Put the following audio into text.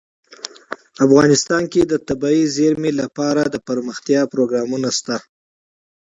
افغانستان کې د طبیعي زیرمې لپاره دپرمختیا پروګرامونه شته.